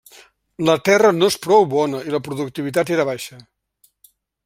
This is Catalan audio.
La terra no és prou bona i la productivitat era baixa.